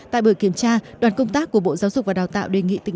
tại bờ kiểm tra đoàn công tác của bộ giáo dục và đào tạo đề nghị tỉnh yên bái